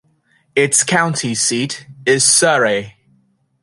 Its county seat is Surry.